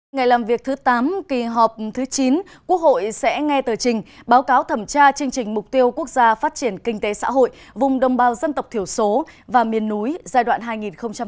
ngày làm việc thứ tám kỳ họp thứ chín quốc hội sẽ nghe tờ trình báo cáo thẩm tra chương trình mục tiêu quốc gia phát triển kinh tế xã hội vùng đồng bào dân tộc thiểu số và miền núi giai đoạn hai nghìn hai mươi một hai nghìn ba mươi